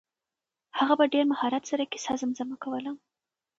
هغه په ډېر مهارت سره کیسه زمزمه کوله.